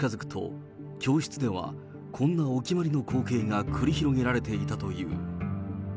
祝日が近づくと、教室ではこんなお決まりの光景が繰り広げられていたという。